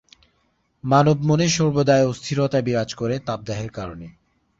মানবমনে সর্বদাই অস্থিরতা বিরাজ করে তাপদাহের কারণে।